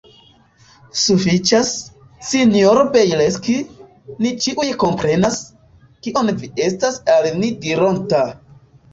Sufiĉas, sinjoro Bjelski; ni ĉiuj komprenas, kion vi estas al ni dironta.